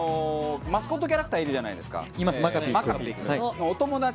マスコットキャラクターいるじゃないですか。